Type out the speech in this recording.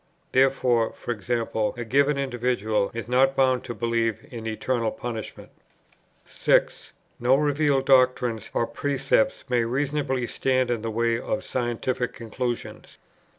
Therefore, e.g. a given individual is not bound to believe in eternal punishment. 6. No revealed doctrines or precepts may reasonably stand in the way of scientific conclusions.